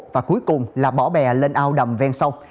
và cuối cùng là bỏ bè lên ao đầm ven sông